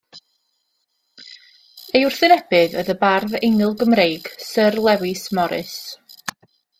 Ei wrthwynebydd oedd y bardd Eingl-gymreig Syr Lewis Morris.